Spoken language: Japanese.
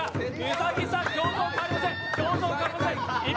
兎さん、表情変わりません。